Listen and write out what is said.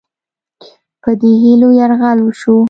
په دې هیلو یرغل وشو.